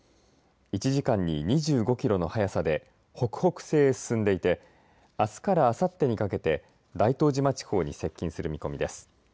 １時間に２５キロの速さで北北西へ進んでいてあすからあさってにかけて大東島地方に接近する見込みです。